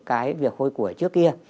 cái việc hôi của trước kia